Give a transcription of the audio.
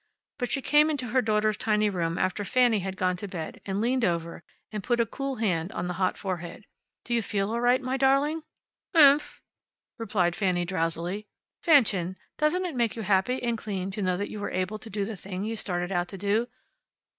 But she came into her daughter's tiny room after Fanny had gone to bed, and leaned over, and put a cool hand on the hot forehead. "Do you feel all right, my darling?" "Umhmph," replied Fanny drowsily. "Fanchen, doesn't it make you feel happy and clean to know that you were able to do the thing you started out to do?"